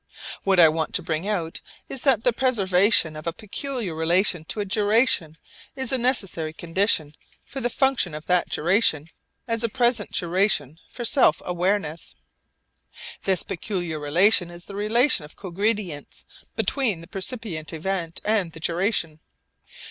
What I want to bring out is that the preservation of a peculiar relation to a duration is a necessary condition for the function of that duration as a present duration for sense awareness. This peculiar relation is the relation of cogredience between the percipient event and the duration.